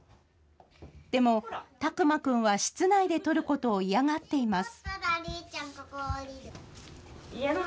でも、巧眞君は室内で撮ることを嫌がっています。